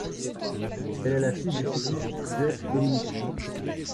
Elle est la fille du cycliste Jef Dominicus.